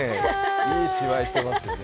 いい芝居してますよね。